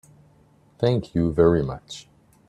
Thank you very much.